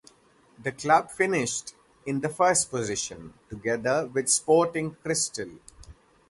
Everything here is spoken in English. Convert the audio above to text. The club finished in the first position, together with Sporting Cristal.